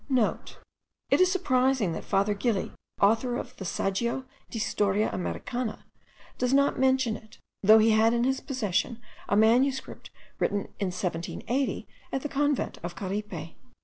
(* It is surprising that Father Gili, author of the Saggio di Storia Americana, does not mention it, though he had in his possession a manuscript written in 1780 at the convent of Caripe.